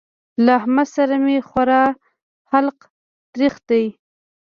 له احمد سره مې خورا حلق تريخ دی.